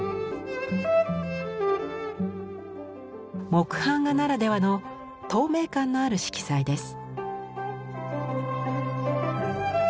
木版画ならではの透明感のある色彩です。